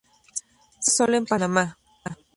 Se encuentra sólo en Panamá.